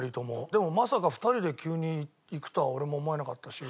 でもまさか２人で急に行くとは俺も思わなかったし。